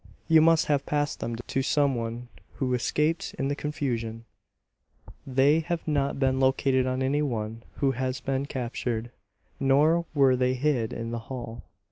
You must have passed them to some one who escaped in the confusion; they have not been located on any one who has been captured, nor were they hid in the hall.